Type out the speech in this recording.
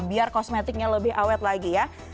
biar kosmetiknya lebih awet lagi ya